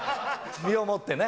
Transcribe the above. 身をもってね。